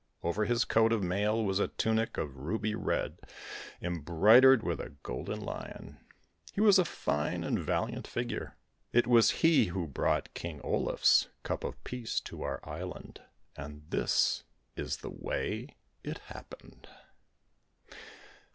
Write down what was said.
Over his coat of mail was a tunic of ruby red embroidered with a golden lion. He was a fine and valiant figure. It was he who brought King Olaf's Cup of Peace to our island, and this is the way it happened.